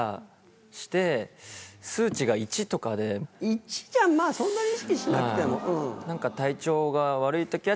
１じゃまぁそんなに意識しなくても。